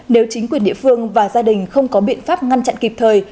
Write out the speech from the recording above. nếu chính quyền địa phương và gia đình không có biện pháp ngăn chặn kịp thời